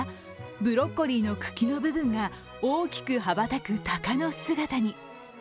ブロッコリーの茎の部分が大きく羽ばたく鷹の姿に。